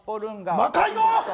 魔界の！